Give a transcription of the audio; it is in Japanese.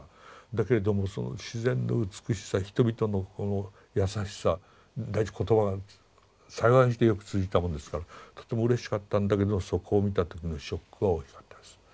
だけれどもその自然の美しさ人々のこの優しさ第一言葉が幸いにしてよく通じたもんですからとてもうれしかったんだけどそこを見た時のショックは大きかったです。